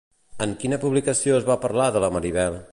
En quina publicació es va parlar de la Maribel?